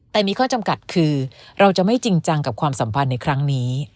แต่มีข้อจำกัดคือเราจะไม่จริงจังกับความสัมพันธ์ในครั้งนี้